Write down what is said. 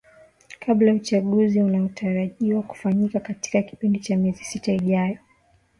kabla ya uchaguzi unaotarajiwa kufanyika katika kipindi cha miezi sita ijayo